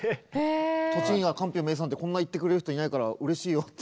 栃木がかんぴょう名産ってこんな言ってくれる人いないからうれしいよって。